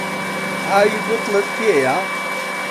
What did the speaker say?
ئاوی بوتڵت پێیە؟